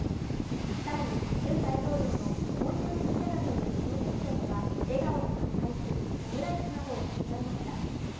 更に、ユン大統領の思い出の店だという洋食店では笑顔で乾杯しオムライスなどを味わいました。